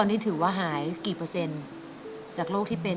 อเรนนี่คือเหตุการณ์เริ่มต้นหลอนช่วงแรกแล้วมีอะไรอีก